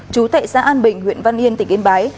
chú tại xã an bình huyện văn yên tỉnh yên bái